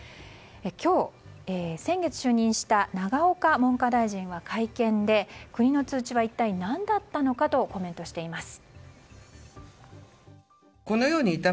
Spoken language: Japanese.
今日、先月就任した永岡文科大臣は、会見で国の通知は一体何だったのかとコメントしています。